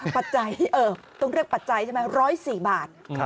ปัจจัยต้องเรียกปัจจัยใช่ไหม๑๐๔บาท